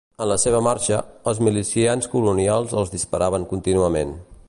En la seva marxa, els milicians colonials els disparaven contínuament.